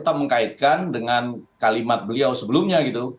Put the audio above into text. saya juga mengkaitkan dengan kekhidmatan beliau sebelumnya gitu